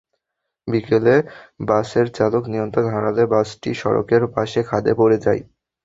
বিকেলে বাসের চালক নিয়ন্ত্রণ হারালে বাসটি সড়কের পাশে খাদে পড়ে যায়।